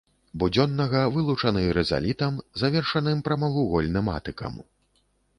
Будзённага вылучаны рызалітам, завершаным прамавугольным атыкам.